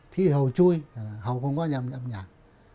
thì hầu chui hầu không có nhầm âm nhạc